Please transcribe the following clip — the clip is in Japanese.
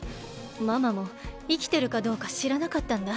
ママもいきてるかどうかしらなかったんだ。